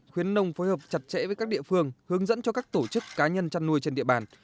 khuyến nông phối hợp chặt chẽ với các địa phương hướng dẫn cho các tổ chức cá nhân chăn nuôi trên địa bàn